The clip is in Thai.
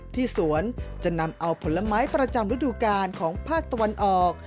ที่สวนจะนำเอาผลไม้ประจำฤดูกาลของภาคตะวันออก